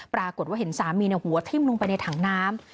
ปรากฏว่าเห็นสามีหัวทิ้มลงไปในถังน้ำ